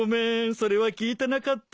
それは聞いてなかった。